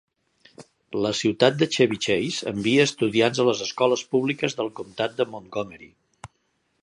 La ciutat de Chevy Chase envia estudiants a les escoles públiques del comtat de Montgomery.